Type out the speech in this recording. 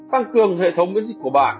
tăng cường hệ thống miễn dịch của bạn